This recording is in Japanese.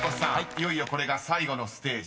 いよいよこれが最後のステージです］